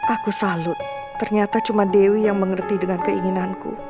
aku salut ternyata cuma dewi yang mengerti dengan keinginanku